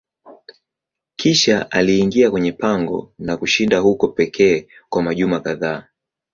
Kisha aliingia kwenye pango na kushinda huko pekee kwa majuma kadhaa.